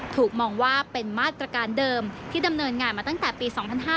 ถูกมองว่าเป็นมาตรการเดิมที่ดำเนินงานมาตั้งแต่ปี๒๕๕๙